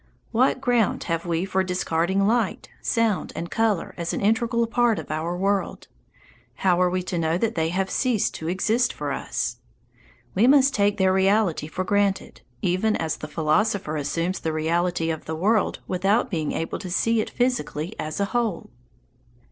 What ground have we for discarding light, sound, and colour as an integral part of our world? How are we to know that they have ceased to exist for us? We must take their reality for granted, even as the philosopher assumes the reality of the world without being able to see it physically as a whole.